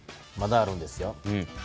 まだあるんですよ。